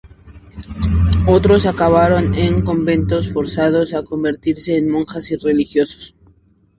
Otros acabaron en conventos, forzados a convertirse en monjas y religiosos.